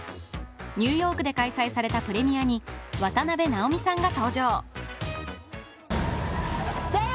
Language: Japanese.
ニューヨークで開催されたプレミアに、渡辺直美さんが登場。